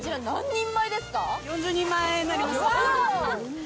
４０人前になっています。